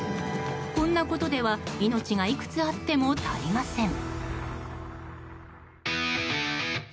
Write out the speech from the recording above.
こんなことでは命がいくつあっても足りません。